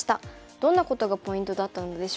どんなことがポイントだったのでしょうか。